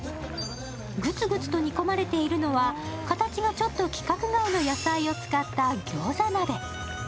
ぐつぐつと煮込まれているのは形がちょっと規格外の野菜を使った餃子鍋。